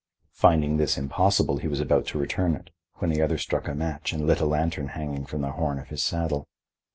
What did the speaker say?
Finding this impossible, he was about to return it, when the other struck a match and lit a lantern hanging from the horn of his saddle.